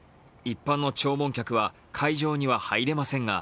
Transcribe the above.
一般の弔問客は会場には入れませんが、